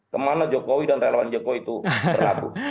kemana jokowi dan relawan jokowi itu berlabuh